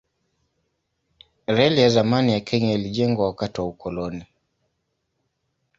Reli ya zamani ya Kenya ilijengwa wakati wa ukoloni.